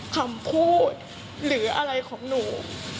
คำพูดหรืออะไรของหนู